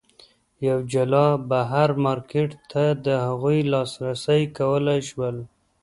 یوه جلا بهر مارکېټ ته د هغوی لاسرسی کولای شول.